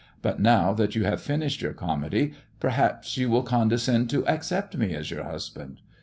But now that you have inished your comedy, perhaps you will condescend to bccept me as your husband.